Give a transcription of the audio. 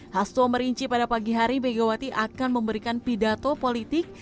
hasto merinci pada pagi hari begawati akan memberikan pidato politik